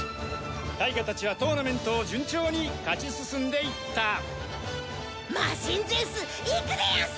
タイガたちはトーナメントを順調に勝ち進んでいったマシンゼウスいくでヤンス！